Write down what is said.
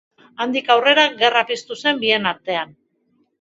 Handik aurrera gerra piztu zen bien artean.